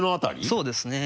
そうですね。